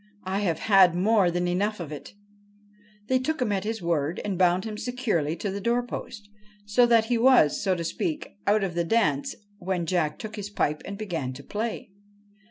I have had more than enough of it.' "5 THE FRIAR AND THE BOY They took him at his word and bound him securely to the door post ; so that he was, so to speak, out of the dance when Jack took his pipe and began to play.